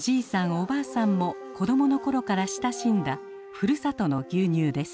おばあさんも子供の頃から親しんだふるさとの牛乳です。